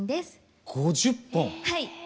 はい。